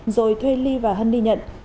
rồi thuê ly và hân đi nhận